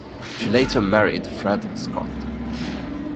She later married Fred Schrott.